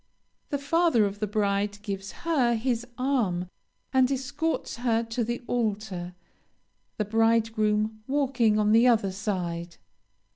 The father of the bride gives her his arm and escorts her to the altar, the bridegroom walking on the other side.